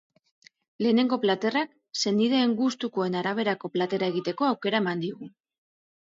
Lehenengo platerak, senideen gustuen araberako platera egiteko aukera ematen digu.